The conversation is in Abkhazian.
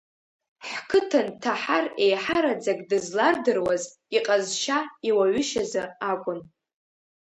Ҳқыҭан Таҳар еиҳараӡак дызлардыруаз иҟазшьа, иуаҩышьазы акәын.